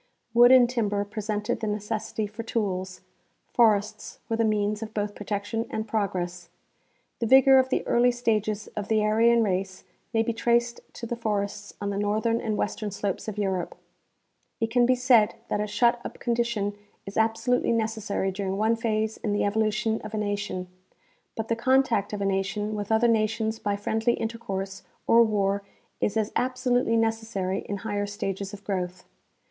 Wood and timber pre sented the necessity for tools ; forests were the means of both protection and progress. The vigor of the early stages of the Ar3^an race may be traced to the forests on the northern and western slopes of Europe. It can be said that a shut up condition is absolutely neces sary during one "^^hase in the evolution of a nation ; but the contact of a nation with other nations by friendly intercourse Utilization of Environment by Man. 129 or war is as absolutely necessary in higher stages of growth.